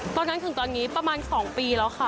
ตอนนั้นถึงตอนนี้ประมาณ๒ปีแล้วค่ะ